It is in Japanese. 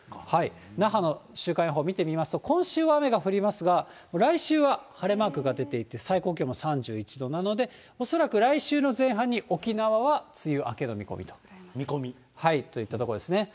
那覇の週間予報を見てみますと、今週は雨が降りますが、来週は晴れマークが出ていて、最高気温も３１度なので、恐らく来週の前半に沖縄は梅雨明けの見込みと。といったところですね。